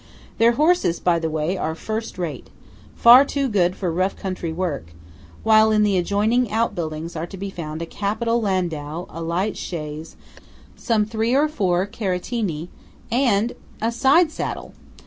Their horses, by the way, are first rate–far too good for rough country work; while in the adjoining outbuildings are to be found a capital landau, a light chaise, some three or four carettini, and–a side saddle!